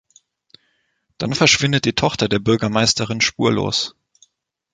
Dann verschwindet die Tochter der Bürgermeisterin spurlos.